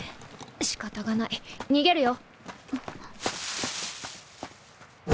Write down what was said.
仕方がない逃げるよ。